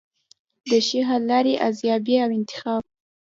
د ښې حل لارې ارزیابي او انتخاب.